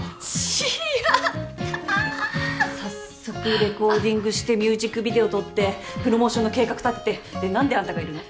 しやったーっ早速レコーディングしてミュージックビデオ撮ってプロモーションの計画立ててで何であんたがいるの？